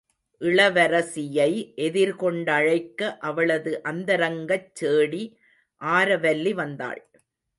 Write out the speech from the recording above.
இளவரசியை எதிர் கொண்டழைக்க அவளது அந்தரங்கச் சேடி ஆரவல்லி வந்தாள்.